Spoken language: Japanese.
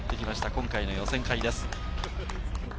今回の予選会です。